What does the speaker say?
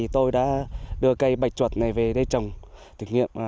tôi đã đưa cây bạch chuột này về đây trồng thực nghiệm